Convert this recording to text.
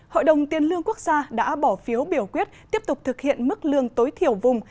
hội đồng tiền lương quốc gia đã bỏ phiếu biểu quyết tiếp tục thực hiện mức lương tối thiểu vùng